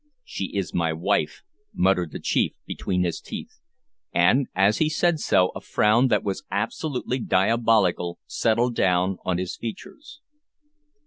"She is my wife," muttered the chief between his teeth; and, as he said so, a frown that was absolutely diabolical settled down on his features.